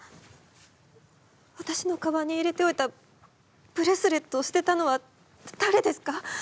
わたしのかばんに入れておいたブレスレットを捨てたのはだれですか？